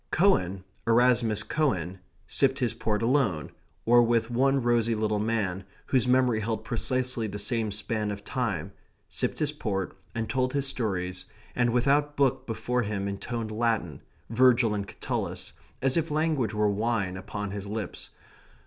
Cowan, Erasmus Cowan, sipped his port alone, or with one rosy little man, whose memory held precisely the same span of time; sipped his port, and told his stories, and without book before him intoned Latin, Virgil and Catullus, as if language were wine upon his lips.